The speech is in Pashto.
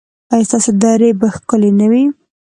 ایا ستاسو درې به ښکلې نه وي؟